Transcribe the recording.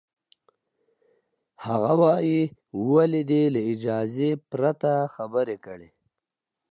هغه وایي، ولې دې له اجازې پرته خبرې کړې؟